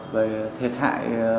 về thiệt hại